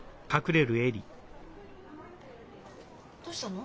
どうしたの？